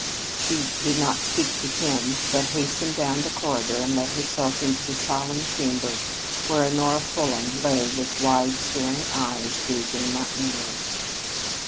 She did not speak to him, but hastened down the corridor and let herself into that solemn chamber where Honora Fulham lay with wide staring eyes gazing mountain ward.